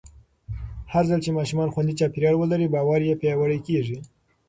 هرځل چې ماشومان خوندي چاپېریال ولري، باور یې پیاوړی کېږي.